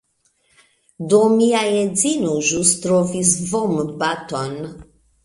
Do, mia edzino ĵus trovis vombaton.